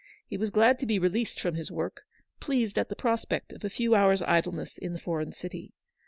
He was glad to be released from his work, pleased at the prospect of a few hours^idlenessln the foreign city.